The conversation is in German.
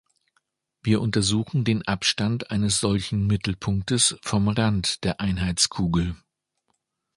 Wir untersuchen den Abstand eines solchen Mittelpunktes vom Rand der Einheitskugel.